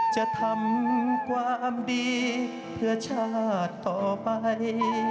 จะทำความดีเพื่อชาติต่อไป